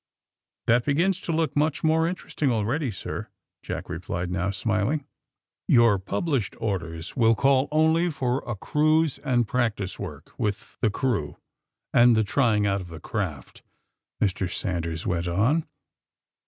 "That begins to look much more interesting already, sir," Jack replied, now smiling. *'Your published orders will call only for a 14 THE SUBMARINE, BOYS cruise and practice work with tlie crew and the trying ont of the craft,'' Mr. Sanders went on.